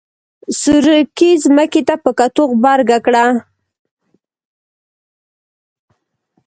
سورکي ځمکې ته په کتو غبرګه کړه.